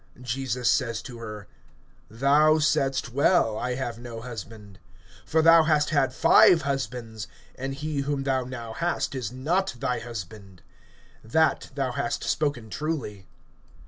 Jesus says to her: Thou saidst well, I have no husband. (18)For thou hast had five husbands; and he whom thou now hast is not thy husband. That thou hast spoken truly.